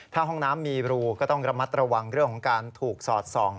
ถ้าห้องน้ำมีรูก็ต้องระมัดระวังเรื่องของการถูกสอดส่อง